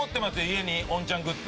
家にｏｎちゃんグッズ。